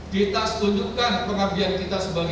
kita tunjukkan pengabdian kita sebagai